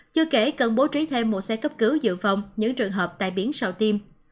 chưa kể cần bố trí thêm một xe cấp cứu dự phòng những trường hợp tại biển sau tiêm